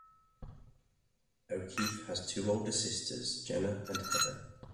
O'Keefe has two older sisters, Jenna and Heather.